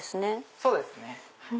そうですね。